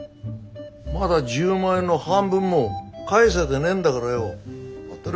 まだ１０万円の半分も返せてねえんだからよう当たり前だ。